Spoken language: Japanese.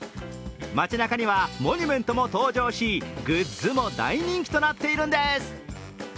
街なかにはモニュメントも登場しグッズも大人気となっているんです。